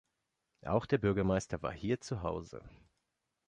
Auch der Bürgermeister war hier zu Hause.